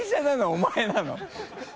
お前なの？